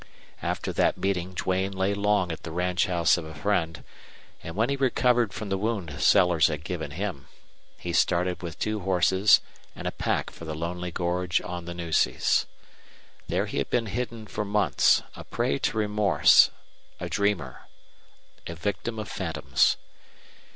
After that meeting Duane lay long at the ranchhouse of a friend, and when he recovered from the wound Sellers had given him he started with two horses and a pack for the lonely gorge on the Nueces. There he had been hidden for months, a prey to remorse, a dreamer, a victim of phantoms.